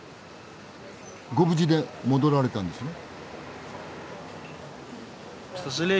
ご無事で戻られたんですね？